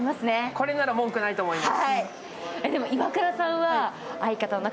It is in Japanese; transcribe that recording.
これなら文句ないと思います。